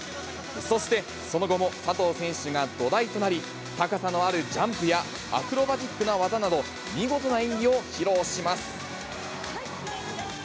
そしてその後も佐藤選手が土台となり、高さのあるジャンプや、アクロバティックな技など、見事な演技を披露します。